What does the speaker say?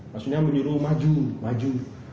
maksudnya menyuruh maju maju